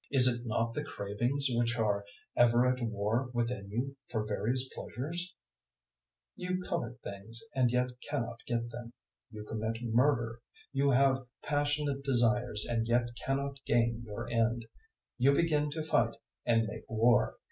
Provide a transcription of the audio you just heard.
Is it not the cravings which are ever at war within you for various pleasures? 004:002 You covet things and yet cannot get them; you commit murder; you have passionate desires and yet cannot gain your end; you begin to fight and make war.